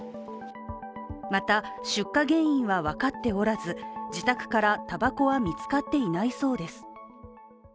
また出火原因は分かっておらず自宅から、たばこは見つかっていないそうです。